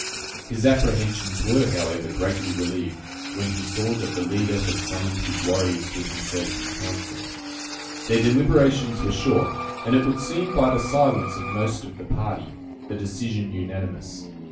His apprehensions were, however, greatly relieved, when he saw that the leader had summoned his warriors to himself in counsel. Their deliberations were short, and it would seem, by the silence of most of the party, the decision unanimous.